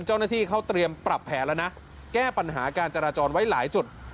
เจ้าหน้าที่เขาเตรียมปรับแผนแล้วนะแก้ปัญหาการจราจรไว้หลายจุด